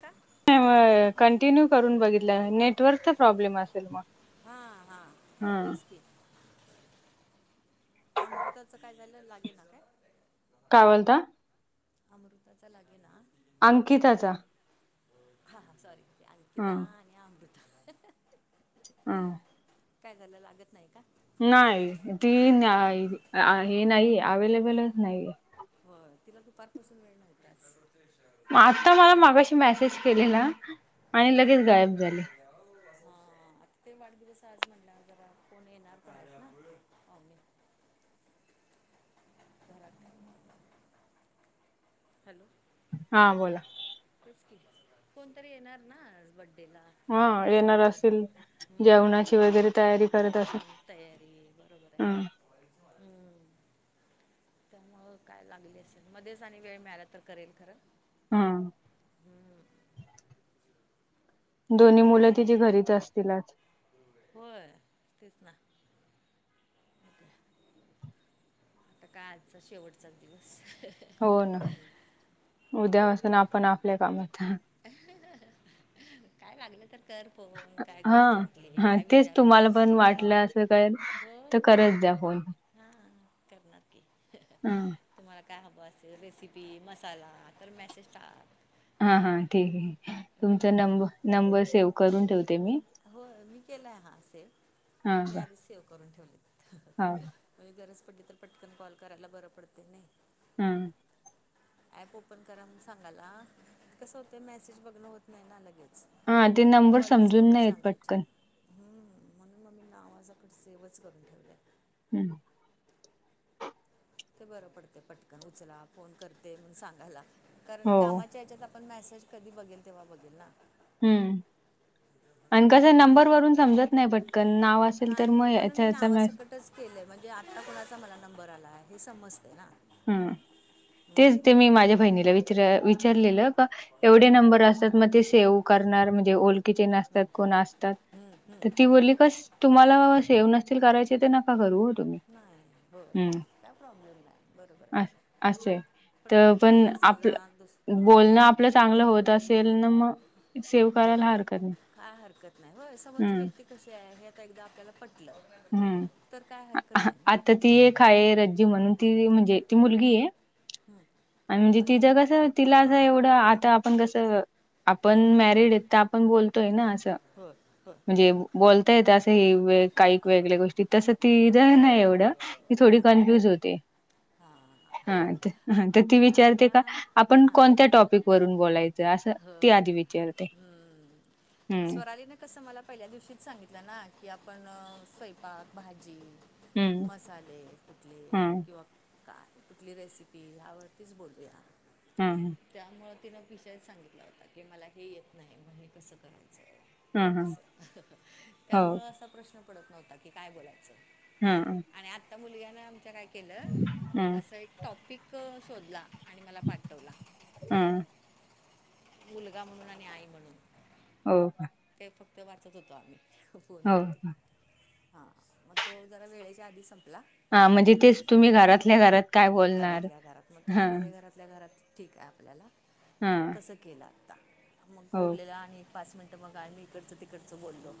का [inaudible] कंटिन्यू करून बघितलं नेटवर्कचा प्रॉब्लेम असेल मग हा हा हा. तेच की अमृताचं काय झालं लागेना काय काय म्हणता अमृताचा लागे ना अंकिताचा हा सॉरी हा अंकिता आणि अमृता हा. काय झालं लागत नाही का नाही ती हे नाही हे नाही अवेलेबलच नाहीे. होय तिला दुपारपासून वेळ नव्हताच म आता मला आत- मागाशी मेसेज केलेला आणि लगेच गायब झाली. हा ते वाढदिवस आज म्हणला जरा कोण येणार म्हटल्यावर [inaudible] घरात द्या हॅलो हा बोला च की कोणतरी येणार ना आज बड्डेला हा येणार घरातले असेल हम्म जेवणाची वगैरे तयारी करत असेल. जेवण तयारी बरोबर आहे, हम्म त्यामुळं काय लागली असेल मध्येच आणि वेळ मिळाला तर करेन खरं हम्म हम्म दोन्ही मुलं तिची घरीच असतील आज होय तेच ना अ तर काय आजचा शेवटचा दिवस हो ना उद्या आसंल आपण आपल्या कामात. अहहह काय लागलं तर कर फोन. काय हा गरज वाटली, हा काय विचारायचं असलं तु करत जा फोन. हा. करणार की. हे है. हा तुम्हाला काय हवं असेल रेसिपी, मसाला तर मेसेज टाक. हा हा ठीक आहे. होय तुमचा की नाही नंबर नंबर सेव्ह करून ठेवते मी हो मी केलंय हा सेव्ह. हा मी का आधी सेव करून ठेवले. हा होय गरज पडली तर पटकन कॉल करायला बरं पडतय नय. हम्. [inaudible] ऍप ओपन करा म्हणून सांगाला, कसं होतं मेसेज बघणं होत नाही ना लगेच. हा ते नंबर समजून नाहीे येत पट हम् म्हणून मग मी नावासकट सेव्हच करून ठेवलय. हम्म. ते बरं पडते पटकन उचला फोन करते म्हणून सांगायला कारण हो कामा ज्याच्यात आपण मेसेज कधी बघेल तेव्हा बघेल ना. हम्म. आणि कस नंबर वरून समजत नाही पटकन नाव असेल तर मग याचा याचा मे केलंय म्हणजे आत्ता कुणाचा मला नंबर आला हे समजतय ना. हम्. तेच हम्म. ते मी माझ्या बहिणीला विचार विचारलेलं का एवढे नंबर असतात मग ते सेव्ह करणार म्हणजे ओल ची नसतात कोण असतात. तर ती बोलली कस तुम्हाला सेव्ह नसतील कराय इत तर नका करू हो तुम्ही. हम्म. त्या प्रॉ्लेम नाही. बरोबर आहे अस की असे आता तर पण पुढं जर समजा दुस आपलं हां बोलणं आ आपलं चांगलं होत असेल ना मग सेव्ह हो. करायला हरकत नाही काय हरकत नाही. होय समोरची हम्म व्यक्ती कशी आहे हे आता एकदा आपल्याला पटलं हम्म तर काय हरकत नाही ना. आता ती एक आहे रजी म्हणून, म्हणजे ती मुलगी आहे. हम्. आणि म्हणजे तिचं कसं तिला असं एवढं आता आपण कसं आपण मॅरिड आहेत तर आपण बोलतोय हो ना असं हो हो म्हणजे बोलता येत असं ह काही हो वेगळ्या गोष्टी तसं ती ज नाही एवढं, ती थोडी नाही कन्फ्युज होते. हा. हां तर ती मला विचारते आता का आपण हां कोणत्या टॉपिक वरून बोलायचं असं हो ती आधी विचारते. हम्म. हम्म स्वरालीने कसं मला पहिल्या दिवशीच सांगितलं ना की आपण स्वयपाक भाजी हम्म मसाले कुटले हम्म किंवा काय कुठली रेसिपी ह्यावरतीच बोलूया. हा हा त्यामुळे तिनं विषयच सांगितला होता की मला हे येत नाही मग हे कसं कराय हम्म हम्म. असं हो त्यामुळ असा प्रश्न पडत नव्हता की काय बोलायचं. हम्. आणि आत्ता मुलग्यान आमच्या काय केलं हम्म असं एक टॉपिक शोधला आणि मला पाठवला. हम्म मुलगा म्हणून आणि आई म्हणून. अ ते फक्त वाचत होतो आम्ही हो फोनवर. का हा मग तो जरा वेळेच्या आधी संपला. हा म्हणजे तेच, तुम्ही घरातल्या घरात काय बोलणार. हा आपल्या घरात ठीक आहे आपल्याला. हा केल आता. मग हो उरलेल आणि पाच मिनट मग आमी इकडच तिकडच बोललो.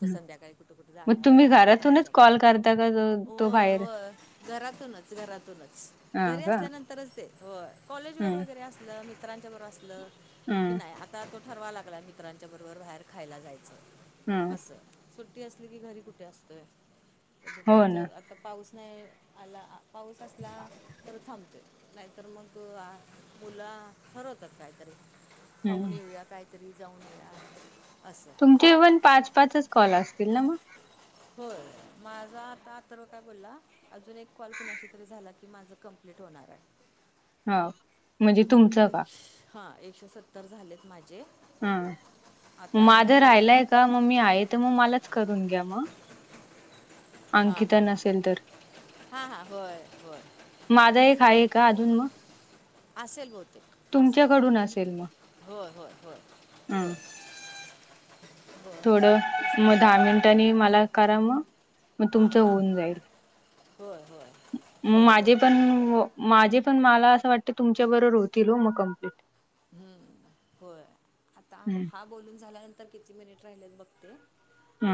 तो हं. संध्याकाळी कुठे कुठे मग राहणार आहे तुम्ही बाहेर घरातूनच मित्रांच्याब कॉल करता का जो- तो होय बाहेर होय घरातूनच घरातूनच. हा घरी का असल्यानंतर तरच ते, हो कॉलेजवर हम्म वगैरे असल मित्रांच्याबरोबर असल की हम्म नाही आता तो ठरवा लागला मित्रांच्या बरोबर बाहेर खायला जायच हम्म अस. सुट्टी असली की घरी कुठे असतोय. तर हो दुपारचा ना आता पाऊस नाही आला. पाऊस असला तर थांबतोय. नाहीतर मग आ मुल ठरवतात काय ते. हम्म खाऊन येऊया काहीतरी. जाऊन येऊया अस. तुमचे पण पाच पाचच कॉल असतील ना मग. होय, माझा आता अथर्व काय बोलला अजून एक कॉल कुणाशी तरी झाला की माझ कंप्लीट होणार आहे. हा म्हणजे तुमच का? हा एकशे सत्तर झालेत माझे. हा आता आणि माझ हे राहिलाय का? मग मी आहे तर मग मलाच करून घ्या मग. अंकिता नसेल तर. हा हा होय, बर माझा एक तेच ना. आहे का अजून मग असेल बहुतेक असेल. तुमच्याकडून होय होय होय. होय हम्म होय थोड तेच ना मग दहा हां मिनिटांनी मला करा मग. मग हा तुमचं हा होऊन जाईल होय होय. मग बरोबर माझे आहे पण, ते माझे पण मला अस वाटत तुमच्या बरोबर होतील हो मग कंप्लीट. हम्म होय, आता ह हा बोलून झाल्यानंतर किती मिनिट राहिले बघते.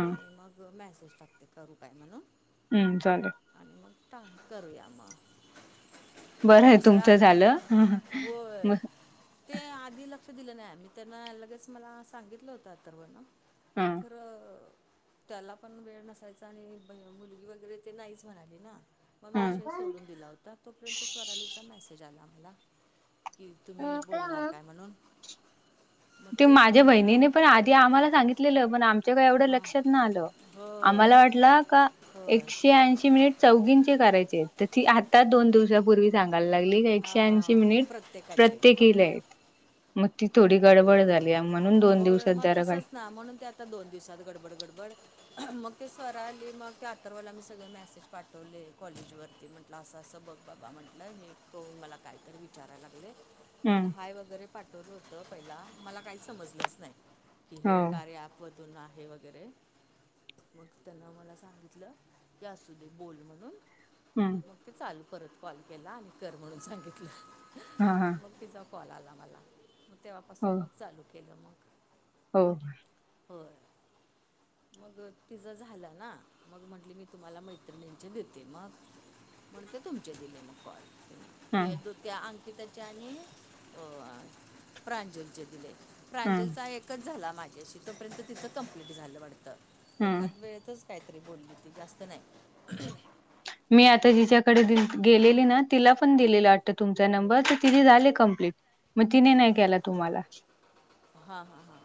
आणि मग मेसेज टाकते. करू काय म्हणून. हम्म चालेल. आणि मग टाग करूया मग. बरं मग आहे दुसरा, तुमचं झालं हा हा. होय मग ते आधी लक्ष दिल नाही. मी त्यांना लगेच मला सांगितल होत अथर्वला. हम्म खर त्याला पण वेळ नसायचा आणि मुलगी वगैरे ते नाहीच म्हणाली ना. मग मी ह विषय सोडून दिला होता. तोपर्यंत स्वरालीचा मेसेज आला मला की तुम्ही ह बोलणार काय म्हणून. मग ते तेच माझ्या मुलग्याला बहिणीने पण आधी आम्हाला सांगितलेल. पण आम त्या काय एवढ हां लक्षात नाही आल. आम्हाला होय वाटला का होय एकशे ऐशी मिनट चौघींचे करायचे आहेत. तर ती आताच दोन दिवसापूर्वी सांगायला लागली एकशे ऐंशी हां मिनिट प्रत्येकाचे प्रत्येकीला आपले आहेत. मग ते थोडी गडबड होय झाली म्हणून दोन होय दिवसात मग जरा काय तसंच म्हणून ते आता दोन दिवसात गडबड गडबड मग ते स्वआली मग ते अथर्वला मी सगळं मेसेज पाठवलं पाठवले कॉलेजवरती म्हटलं असं असं बघ बाबा म्हटलं हे तो मला काहीतरी विचारायला लागले तिन हम्म हाय वगैरे पाठवलं होत पहिला मला काही समजलंच नाही की हो हे कार्य आप वतून आहे वगैरे मग त्यांन मला सांगितलं ते असू दे बोल म्हणून हम्म मग चालू परत कॉल केला आणि कर म्हणून हा सांगितलं हा मग तिचा कॉल आला मला मग हो तेव्हापासून मग चालू केलं मग. हो बरं मग तिचं झालं ना मग म्हंटली मी तुम्हाला मैत्रिणींचे देते मग मग ते तुमचे दिले मग हम्म कॉल त्या अंकितचे आणि प्रांजलचे दिले हम्म प्रांजलचा एक कट झाला माझ्याशी तोपर्यंत तिथं कंप्लीट झालं वाटतं हम्म एकाद वेळेतच काहीतरी बोलली ती जास्त नाही मी आता जिच्याकडे गेलेली ना तिला पण दिलेलं वाटतं तुमचा नंबर तर तिथे झाले कंप्लीट मग तिने नाही केला तुम्हाला. हा हा हा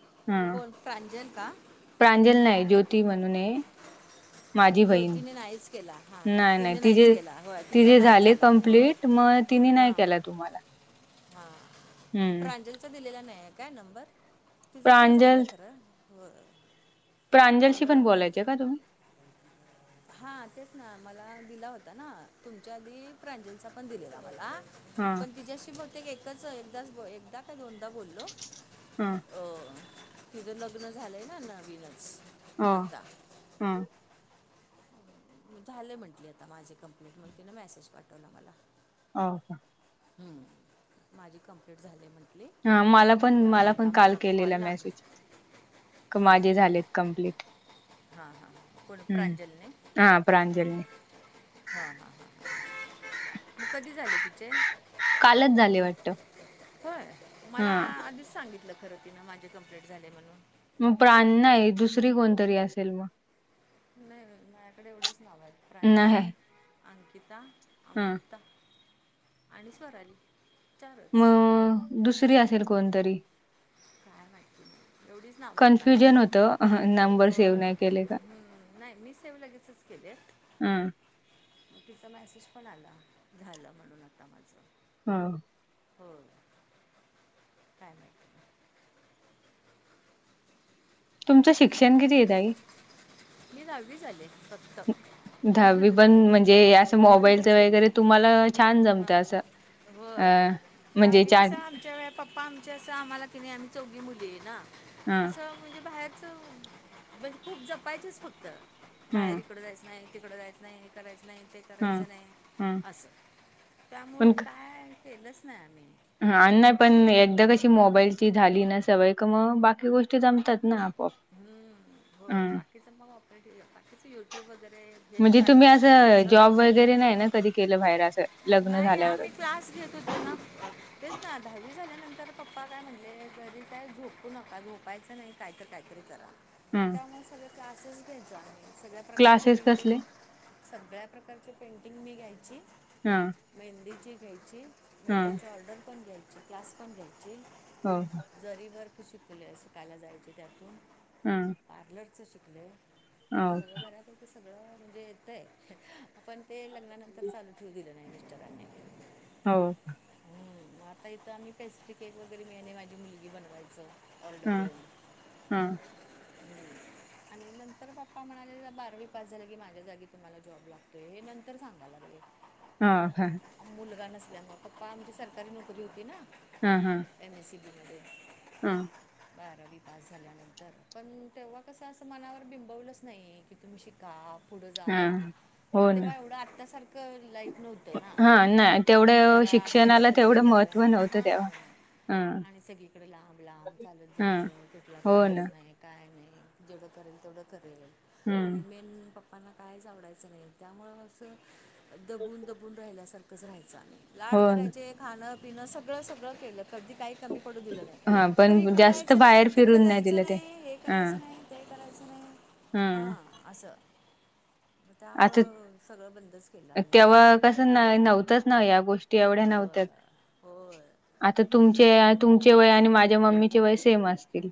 कोण प्रांजल का? प्रांजल नाही ज्योती म्हणून आहे. माझी बहीण ज्योतीने नाहीच केला हा नाही नाही तिने नाहीच तिजे केला होय तिचा तिजे नाहीच झाले आला होय. कंप्लीट मग तिने नाही केला तुम्हाला. हा हम्म प्रांजलचा दिलेला नाही काय नंबर तिचं खरं झालं प्रांजल खरं. होय. प्रांजलशी पण बोलायचें का तुम्ही? हां तेच ना मला दिला होता ना तुमच्या आधी प्रांजलचा पण दिलेला मला. हा पण तिच्याशी बहुतेक एकच एकदा एकदा का दोनदा बोललो. हा अ तिझं लग्न झालंय ना नवीनच हा आत्ता हा झालं म्हंटली आता माझी कंप्लेंट मग तिनं मेसेज पाठवला मला. हा माझी कंप्लीट झाली म्हटली हा मला पण त्यामुळे मला पण आता काल माझा कॉल केलेला लाग मेसेज. का हां माझे झालेत कमप्लीट हां हां कोण प्रांजलने हम्म हा प्राजलीनी हां हां हा मग कधी झाले तिचे? कालच झाले वाटत होय हा मला आधीच सांगितलं खरं तिन माझे कंप्लेट झाले म्हणून. मग प्राण नाही दुसरी कोणतरी असेल मग. नाही माझ्याकडे एवढेच नाव आहेत नाही प्रांजल अंकिता हा अमृता आणि स्वराली चारच. मग दुसरी असेल कोणतरी काय माहिती नाही एवढीच नावं आहेत कन्फ्युजन माझ्याजवळ. होतं नंबर हो सेव्ह नाही केले का हम् नाही मी सेव लगेचच केलेत. हं, मग तिचा मेसेज पण आला झालं म्हणून आता माझ. हा हो काय माहिती. तुमचं शिक्षण किती येतंय ताई? मी दहावी झाले फक्त. दहावी पण म्हणजे असं मोबाईलच बंदच केलं वगैरे तुम्हाला छान हां जमतं असं. अ, होय म्हणजे दाहावी कस छान आमच्या व प्पा. प्पा आमच्या असं आम्हाला की नाही आम्ही चौघी मुली आहे ना हं, असं. म्हणजे बाहेरच म्हणजे खूप जपायचं फक्त. बाहेर हं, इकडं जायचं नाही तिकडं जायच नाही हे करायचं नाही ते. हं, करायचं नाही हं. असं त्यामुळं काय केलंच नाही आम्ही. हा नाही आणि पण एकदा कशी मोबाईलची झाली सवय क मग गोष्टी जमतात ना. आपोआप. हम्म. हो हं. बाकीच मग पर बाकीच युट्यूब वगैरे हे चालू असते रोजचं. [unintelligible] कधी केलं नाही ना बाहेर असं. लग्न नाही झाल्यावर? आम्ही क्लास होतो ना तेच ना दहावी झाल्यानंतर. पप्पा काय म्हटले घरी काय झोपू नका झोपायचं नाही कायचं काहीतरी करा हं. त्यामुळे. सगळे क्लासेस घायचो आम्ही सगळ्या प्रकारचे क्लासेस कसले? पेंटिंग. सगळ्या प्रकारची पेंटिंग मी घ्यायची. हा. मेहंदीची घ्यायची मेहंदीची ऑर्डर पण घ्यायची क्लास पण घ्यायची. हा हा. जरी वर्क शिकले शिकायला जायचे त्यातून. हम. पार्लरचं शिकले आहे तें [unintelligible] सगळं येतं. आपण ते लग्नानंतर चालू ठेवू दिलं नाही मिस्टरांनी. हो. हम् आता इथं आम्ही पेस्ट्री केलं तर मी आणि माझी मुलगी बनवायचं. ऑर्डर हं, घेऊन. हं. [inaudible] आणि नंतर पप्पा म्हणाले बारावी पास झाला की माझ्या जागी तुम्हाला जॉब लागतोय हे नंतर सांगा लागले. हा हा.. मुलगा नसल्यानमुळे पप्पा आमची सरकारी नोकरी होती ना. हा हा. एमएसबी मध्ये. हा. बारावी पास झाल्यानंतर पण तेव्हा कसं असं मनावर बिंबवलंच नाही. कि तुम्ही शिका पुढं हा जावा हो ना तेव्हा एवढं आतासारखं लाईफ नव्हतं. हा नाही तेवढं करा शिक्षणाला केलं तर तेवढं केलं महत्त्व नव्हतं हा. तेव्हा हा आणि सगळीकडे लांब लांब चालत हा जायचं कुठला हो ना क्लास नाही. काय नाही जेवढं करेल तेवढं करेल हम्म आणि मेन पप्पा. मला ना कायचं आवडायचं नाही त्यामुळं असं दबून. फुलासारखं राहायं हो लाड ना करायचे खांणं पिणं सगळं सगळं केलं कधी काही कमी. पडू दिलं नाही. हा तर पण इकडं जास्त जायचं नाही. बाहेर तिकड फिरून जायचं दिलं ते नाही हे हा करायचं नाही. ते करायचं नाही. हा असं म आता त्यामुळं सगळं बंदच केलं आम्ही. तेव्हा कसं नाई नव्हतंच ना या गोष्टी एवढ्या होय नव्हत्याच. होय. आता मग तुमचे का तुमचे वय आणि माझ्या मम्मीचे वय सेम असतील.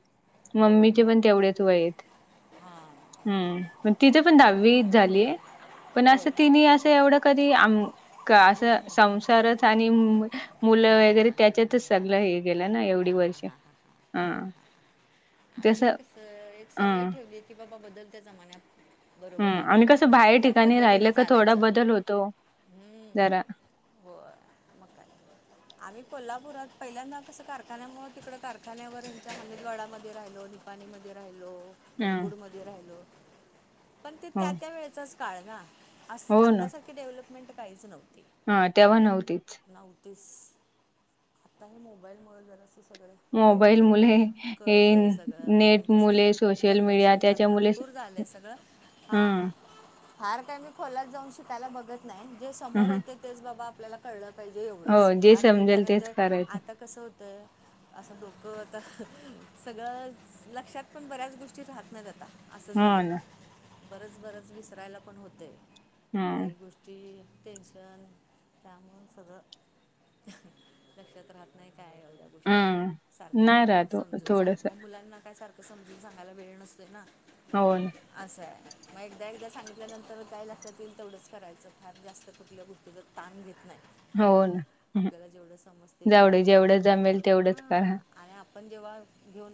मम्मीचे पण तेवढेच वय यत. हा. हम् म तिथं पण दहावीच झालीय. पण होय असं ना तिने असं एवढं कधी आम का असं संसारच आणि मुलं हां हां वगैरे हां हां त्याच्यातच हां हां सगल हां हे गेलं ना एवढी हां वर्ष. हां हां. हां हां हा. हां हां आम्ही तसं कसं एक अ सवय ठेवली कि बाबा बदलत्या जमान्यात हा बरोबर आणि आपण कसं बाहेर त्या ठिकाणी राहिलं पद्धतीनं का थोडा चालायचं बदल होतो जरा हो म काय? आम्ही कोल्हापुरात पहिल्यांदा कसं कारखान्यांमुळ तिकड कारखान्यावरच्या हमिदवाडामध्ये राहिलो. नीपाणीमध्ये राहिलो. हम् मुरगुड मध्ये राहिलो. पण ते हो त्या त्या वेळेचाच काळ ना? अस हो ना आत्तासारखी डेव्हलपमेंट काहीच नव्हती. हा तेव्हा नव्हतीच. नव्हतीस आत्ता हे मोबाईलमुळ जरा अस सगळ - - पुढं मोबाईल पुढं मुले हे कळतंय सगळं आणि नेट मुले तसं सोशल मीडिया जनरेशन गॅप त्याच्या मुले भरपूर झालंय सगळं. हा. हम् फार काय मी खोलात जाऊन शिकायला बघत नाही. जे समोर हम येतय तेच बाबा आपल्याला कळलं पाहिजे हो एवढंच. जे फार हे समजेल करत तेच जर करायचं आता कसं होतंय असं डोक आता सगळंच लक्षात पण बऱ्याच गोष्टी राहत नाहीत आता. असं हो झालय ना बरंच बरंच विसरायला पण होतय हम्म काही गोष्टी. ती टेन्शन. त्यामुळ सगळं लक्षात राहत नाही काय एवढ. गोष्टी सारख हम्म नाही सारख मग राहतो समजून सांग. थोडस म मुलांना काय सारख समजून सांगायला वेळ नसतोय ना? होन. असं आहे. मग एकदा एकदा सांगितल्यानंतर काय लक्षात येईल तेवढंच करायचं फार जास्त कुटल्या गोष्टीच - ताण घेत नाही. हो ना. आपल्याला जेवढं समजते की बा जावडे आपला. जेवढं जमेल तेवढंच हा. करा. आणि आपण जेव्हा घेऊन ब